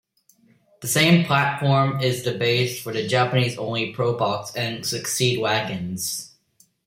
The same platform is the base for the Japanese-only Probox and Succeed wagons.